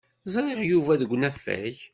Ẓriɣ Yuba deg unafag.